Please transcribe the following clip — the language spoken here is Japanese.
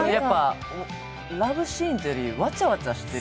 ラブシーンというよりわちゃわちゃしてる。